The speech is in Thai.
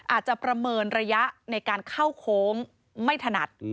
อาจจะประเมินระยะในการเข้าโค้งไม่ถนัด